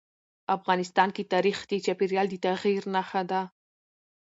افغانستان کې تاریخ د چاپېریال د تغیر نښه ده.